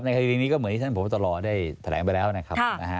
คดีนี้ก็เหมือนที่ท่านพบตรได้แถลงไปแล้วนะครับ